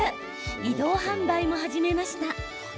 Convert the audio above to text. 移動販売も始めました。